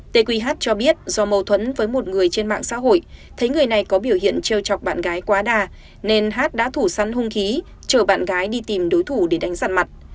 t q h cho biết do mâu thuẫn với một người trên mạng xã hội thấy người này có biểu hiện trêu chọc bạn gái quá đa nên h h đã thủ săn hung khí chờ bạn gái đi tìm đối thủ để đánh giặt mặt